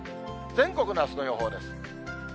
全国のあすの予報です。